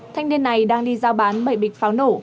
thanh niên này đang đi giao bán bảy bịch pháo nổ